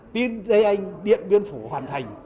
tin đây anh điện biên phủ hoàn thành